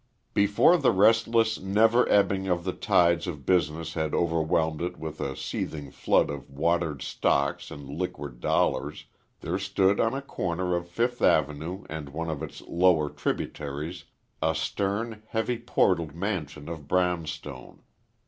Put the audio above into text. Before the restless, never ebbing of the tides of business had overwhelmed it with a seething flood of watered stocks and liquid dollars, there stood on a corner of Fifth Avenue and one of its lower tributaries, a stern, heavy portalled mansion of brownstone.